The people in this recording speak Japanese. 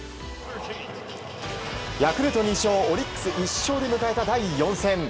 ヤクルト２勝オリックス１勝で迎えた第４戦。